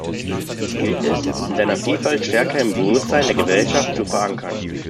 Dies gilt es, in seiner Vielfalt stärker im Bewusstsein der Gesellschaft zu verankern.